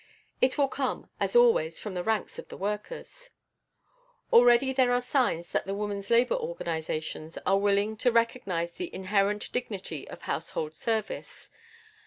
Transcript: It will come, as always, from the ranks of the workers. Already there are signs that the woman's labor organizations are willing to recognize the inherent dignity of household service.